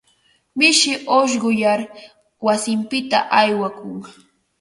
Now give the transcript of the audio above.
Mishi ushquyar wasinpita aywakun.